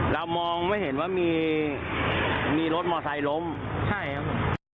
เรามองไม่เห็นว่ามีรถมอไซค์ล้มใช่ครับผม